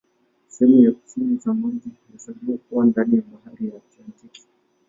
Sehemu za kusini za maji huhesabiwa kuwa ndani ya Bahari ya Antaktiki.